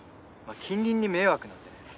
近隣に迷惑なんで。